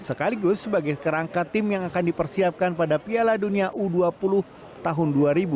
sekaligus sebagai kerangka tim yang akan dipersiapkan pada piala dunia u dua puluh tahun dua ribu dua puluh